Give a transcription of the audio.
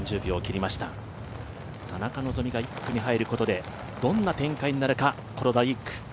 田中希実が１区に入ることで、どんな展開になるか、この第１区。